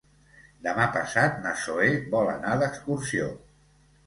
Demà passat na Zoè vol anar d'excursió.